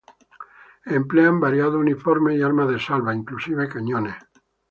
Emplean variados uniformes y armas de salva, inclusive cañones.